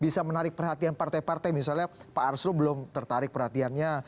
bisa menarik perhatian partai partai misalnya pak arsul belum tertarik perhatiannya